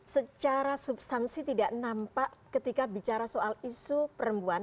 secara substansi tidak nampak ketika bicara soal isu perempuan